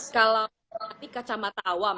kalau berarti kacamata awam